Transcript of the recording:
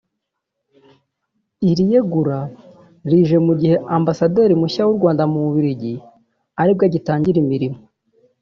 Iri yegura rije mu gihe ambasaderi mushya w’u Rwanda mu Bubiligi ari bwo agitangira imirimo